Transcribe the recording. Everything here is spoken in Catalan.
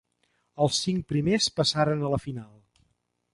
Els cinc primers passaren a la final.